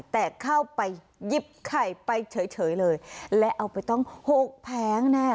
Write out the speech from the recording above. แต่เข้าไปหยิบไข่ไปเฉยเลยและเอาไปต้องหกแผงแน่